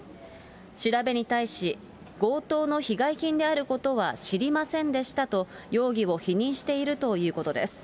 調べに対し、強盗の被害品であることは知りませんでしたと、容疑を否認しているということです。